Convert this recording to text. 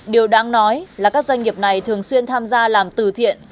điều đáng nói là các doanh nghiệp này thường xuyên tham gia làm từ thiện